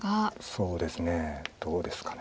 そうですねどうですかね。